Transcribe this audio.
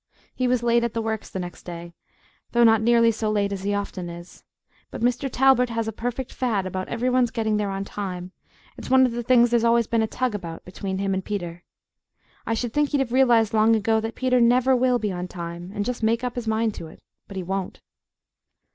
He was late at the Works the next day though not nearly so late as he often is; but Mr. Talbert has a perfect fad about every one's getting there on time; it's one of the things there's always been a tug about between him and Peter. I should think he'd have realized long ago that Peter NEVER will be on time, and just make up his mind to it, but he won't.